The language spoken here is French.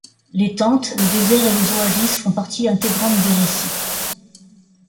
Les tentes, le désert et les oasis font partie intégrante des récits.